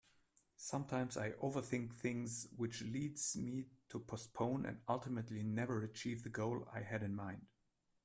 Sometimes I overthink things which leads me to postpone and ultimately never achieve the goal I had in mind.